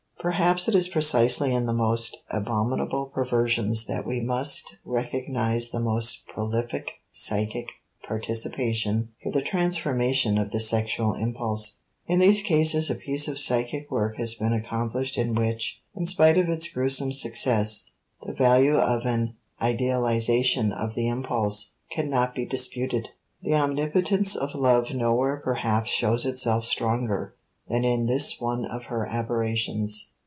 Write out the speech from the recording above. * Perhaps it is precisely in the most abominable perversions that we must recognize the most prolific psychic participation for the transformation of the sexual impulse. In these cases a piece of psychic work has been accomplished in which, in spite of its gruesome success, the value of an idealization of the impulse can not be disputed. The omnipotence of love nowhere perhaps shows itself stronger than in this one of her aberrations.